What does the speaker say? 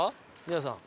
皆さん。